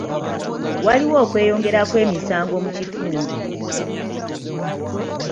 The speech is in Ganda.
Waliwo okweyongera kw'emisango mu kitundu.